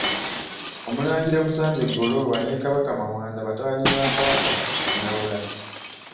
Omulangira Musanje Ggolooba ne Kabaka Mawanda batabani ba Kabaka Ndawula.